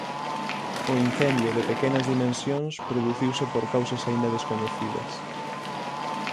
O incendio, de pequenas dimensións, produciuse por causas aínda descoñecidas.